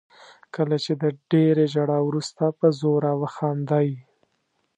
کله چې د ډېرې ژړا وروسته په زوره وخاندئ.